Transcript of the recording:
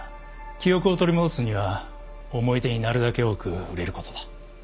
記憶を取り戻すには思い出になるだけ多く触れることだ。